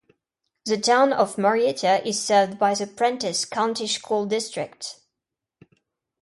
The Town of Marietta is served by the Prentiss County School District.